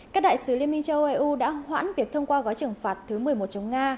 các đại sứ liên minh châu âu đã hoãn việc thông qua gói trừng phạt thứ một mươi một chống nga